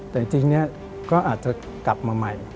แต่จริงก็อาจจะกลับมาใหม่